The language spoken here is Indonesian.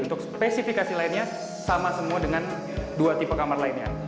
untuk spesifikasi lainnya sama semua dengan dua tipe kamar lainnya